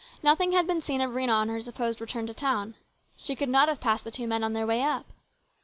Nothing had been seen of Rhena on her supposed return to town. She could not have passed the two men on their way up.